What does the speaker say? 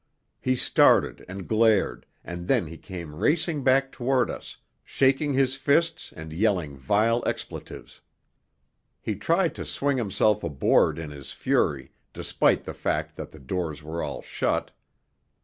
He started and glared, and then he came racing back toward us, shaking his fists and yelling vile expletives. He tried to swing himself aboard in his fury despite the fact that the doors were all shut.